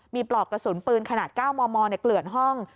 มีปลอกกระสุนปืนขนาด๙มมเกลื่อนห้อง